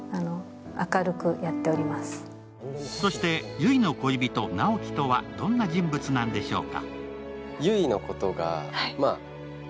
悠依の恋人・直木とはどんな人物なんでしょうか。